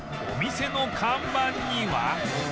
お店の看板には